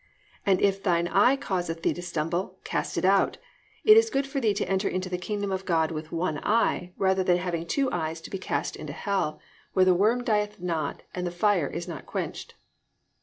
And if thine eye causeth thee to stumble, cast it out; it is good for thee to enter into the kingdom of God with one eye, rather than having two eyes to be cast into hell; where their worm dieth not, and the fire is not quenched."